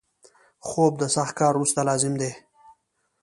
خوب د سخت کار وروسته لازم دی